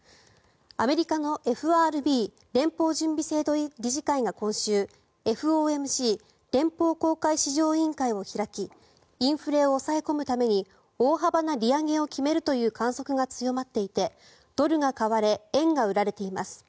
アメリカのＦＲＢ・連邦準備制度理事会が今週、ＦＯＭＣ・連邦公開市場委員会を開きインフレを抑え込むために大幅な利上げを決めるという観測が強まっていてドルが買われ円が売られています。